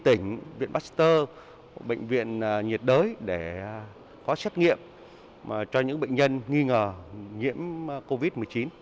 bệnh viện viện baxter bệnh viện nhiệt đới để có xét nghiệm cho những bệnh nhân nghi ngờ nhiễm covid một mươi chín